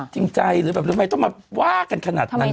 จริงใจหรือแบบทำไมต้องมาว่ากันขนาดนั้น